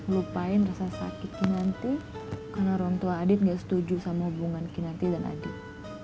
lupain rasa sakit kinanti karena orang tua adit gak setuju sama hubungan kinanti dan adik